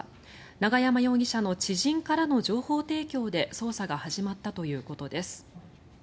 永山容疑者の知人からの情報提供で捜査が始まったということです。